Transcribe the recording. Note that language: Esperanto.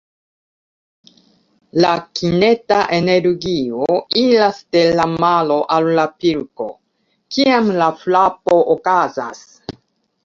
La kineta energio iras de la mano al la pilko, kiam la frapo okazas.